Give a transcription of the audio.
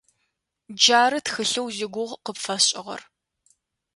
Джары тхылъэу зигугъу къыпфэсшӀыгъэр.